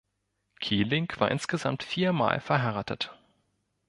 Kieling war insgesamt viermal verheiratet.